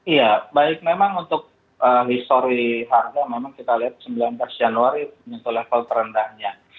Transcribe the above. ya baik memang untuk histori harga memang kita lihat sembilan belas januari menyentuh level terendahnya